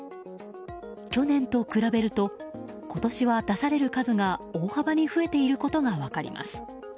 去年と比べると今年は出される数が、大幅に増えていることが分かります。